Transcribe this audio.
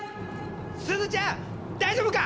すずちゃん大丈夫か？